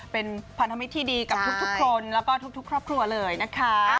เป็นพันธมิตรที่ดีกับทุกคนแล้วก็ทุกครอบครัวเลยนะคะ